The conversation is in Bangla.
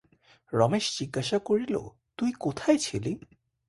রমেশ জিজ্ঞাসা করিল, তুই কোথায় ছিলি?